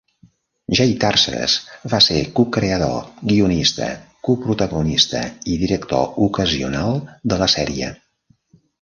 Jay Tarses va ser cocreador, guionista, coprotagonista i director ocasional de la sèrie.